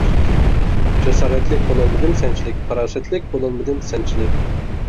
جاسارەتلىك بولالمىدىم سەنچىلىك، پاراسەتلىك بولالمىدىم سەنچىلىك.